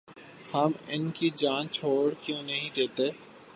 ہم ان کی جان چھوڑ کیوں نہیں دیتے؟